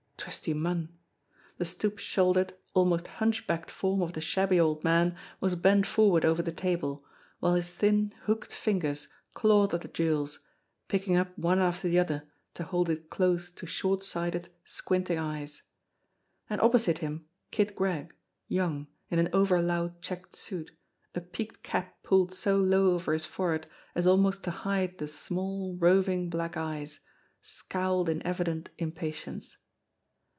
Twisty Munn! The stoop shouldered, almost hunch backed form of the shabby old man was bent forward over the table, while his thin, hooked fingers clawed at the jewels, picking up one after the other to hold it close to short sighted, squinting eyes. And opposite him Kid Gregg, young, in an over loud checked suit, a peaked cap pulled so low over his forehead as almost to hide the small, roving black eyes, scowled in evident impatience.